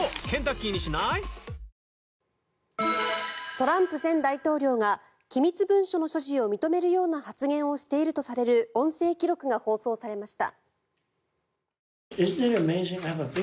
トランプ前大統領が機密文書の所持を認めるような発言をしているとされる音声記録が放送されました。